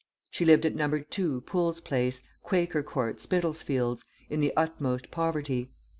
She lived at No. 2 Pool's Place, Quaker Court, Spitalfields, in the utmost poverty.